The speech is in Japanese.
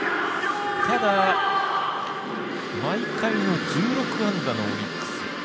ただ、１６安打のオリックス。